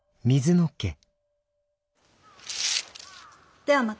ではまた。